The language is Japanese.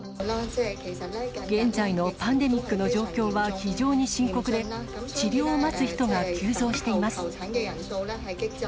現在のパンデミックの状況は非常に深刻で、治療を待つ人が急増しています。